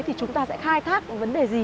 thì chúng ta sẽ khai thác vấn đề gì